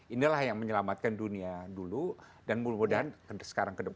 inilah yang menyelamatkan dunia dulu dan mudah mudahan sekarang ke depan